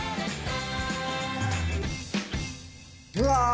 うわ！